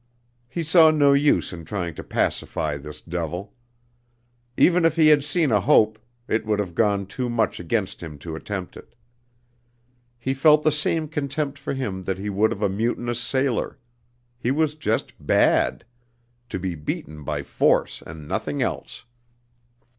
He saw no use in trying to pacify this devil. Even if he had seen a hope, it would have gone too much against him to attempt it. He felt the same contempt for him that he would of a mutinous sailor; he was just bad, to be beaten by force and nothing else.